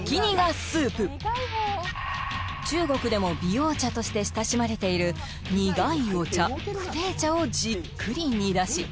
中国でも美容茶として親しまれている苦いお茶苦丁茶をじっくり煮だし